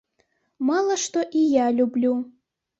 Мала што і я люблю.